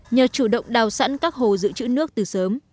nhờ chủ động đào sẵn các hồ giữ chữ nước từ sớm